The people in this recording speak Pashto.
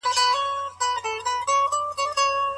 آیا د مجازي درسونو مهالوېش د حضوري ټولګیو په څېر منظم دی؟